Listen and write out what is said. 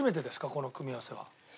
この組み合わせは。